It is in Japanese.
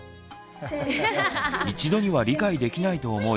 一度には理解できないと思い